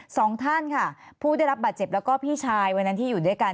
สองท่านค่ะผู้ได้รับบาดเจ็บแล้วก็พี่ชายวันนั้นที่อยู่ด้วยกัน